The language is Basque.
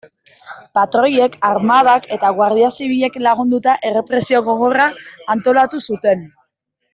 Patroiek, armadak eta Guardia Zibilek lagunduta, errepresio gogorra antolatu zuten.